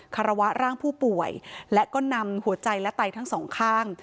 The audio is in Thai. คารวะร่างผู้ป่วยและก็นำหัวใจและไตทั้งสองข้าง